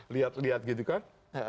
lihat lihat gitu kan